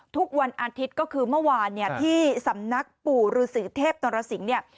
ทุกวันอาทิตย์ก็คือเมื่อวานเนี่ยที่สำนักปู่ฤษีเทพนรสิงศ์เนี่ย